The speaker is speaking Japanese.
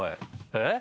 えっ？